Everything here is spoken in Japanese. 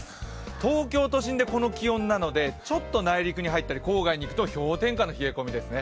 東京都心でこの気温なのでちょっと内陸に入ったり郊外に行くと氷点下の冷え込みですね。